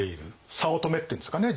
早乙女っていうんですかね